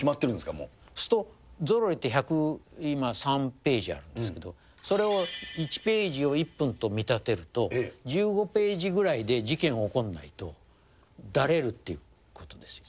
そうするとゾロリって１０３ページあるんですけど、それを１ページを１分と見立てると、１５ページぐらいで事件起こんないとだれるっていうことですよね。